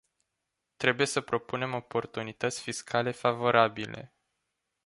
Trebuie să propunem oportunități fiscale favorabile.